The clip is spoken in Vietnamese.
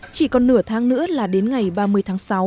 chỉ còn nửa tháng nữa là đến ngày ba mươi tháng sáu